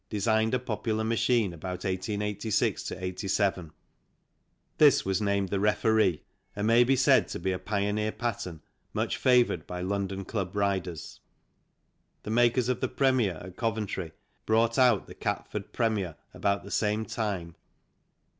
designed a popular machine about 1886 87 ; this was named the Referee and may be said to be a pioneer pattern much favoured by London club riders. The makers of the Premier, at Coventry, brought out the Cat ford Premier about the same time.